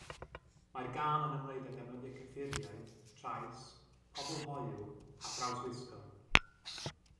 Mae'r gân yn ymwneud â defnyddio cyffuriau, trais, pobl hoyw a thrawswisgo.